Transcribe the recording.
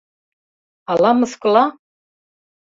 Ала мыскыла?